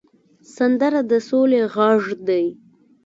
سندره د سولې غږ دی